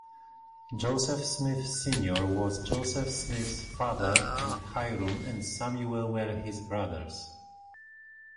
Joseph Smith, Senior was Joseph Smith's father, and Hyrum and Samuel were his brothers.